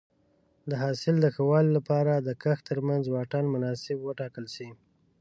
د حاصل د ښه والي لپاره د کښت ترمنځ واټن مناسب وټاکل شي.